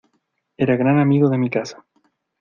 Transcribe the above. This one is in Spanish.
era gran amigo de mi casa.